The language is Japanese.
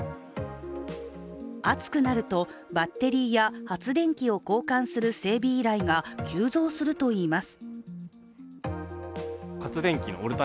暑くなると、バッテリーや発電機を交換する整備依頼が急増するといいます。